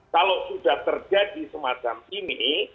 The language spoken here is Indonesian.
kalau sudah terjadi semacam ini